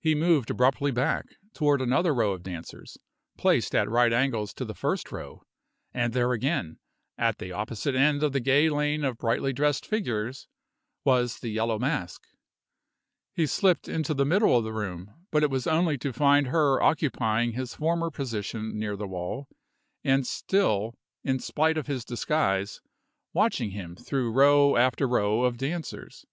He moved abruptly back, toward another row of dancers, placed at right angles to the first row; and there again; at the opposite end of the gay lane of brightly dressed figures, was the Yellow Mask. He slipped into the middle of the room, but it was only to find her occupying his former position near the wall, and still, in spite of his disguise, watching him through row after row of dancers.